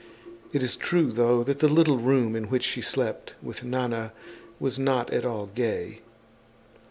It is true though that the little room in which she slept with Nana was not at all gay.